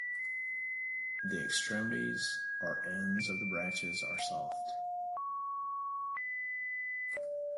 The extremities, or ends of the branches, are soft.